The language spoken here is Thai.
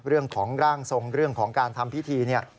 เรื่องของร่างทรงเรื่องของการทำพิธีเนี่ย